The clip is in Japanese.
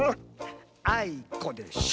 あいこでしょ。